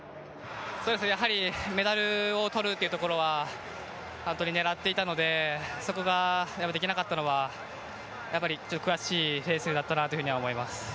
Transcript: メダルを取るというところは本当に狙っていたので、そこができなかったのは悔しいレースだったなと思います。